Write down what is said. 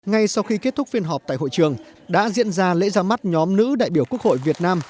ngay sau khi kết thúc phiên họp tại hội trường đã diễn ra lễ ra mắt nhóm nữ đại biểu quốc hội việt nam